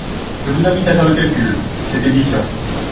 Je vous invite à faire le calcul : c’est édifiant.